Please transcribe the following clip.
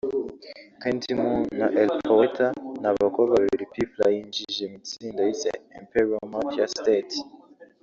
CandyMoon na El Poeta ni abakobwa babiri Pfla yinjije mu itsinda yise Emperial Mafia State